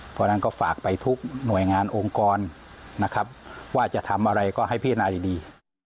เพราะฉะนั้นก็ฝากไปทุกหน่วยงานองค์กรนะครับว่าจะทำอะไรก็ให้พิจารณาดี